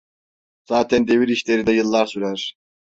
Zaten devir işleri de yıllar sürer.